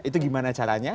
itu gimana caranya